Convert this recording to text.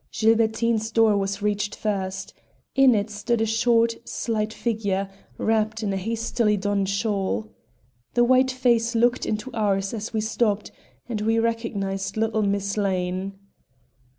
Gilbertine's door was reached first. In it stood a short, slight figure, wrapped in a hastily donned shawl. The white face looked into ours as we stopped, and we recognized little Miss Lane.